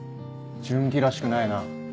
順基らしくないな。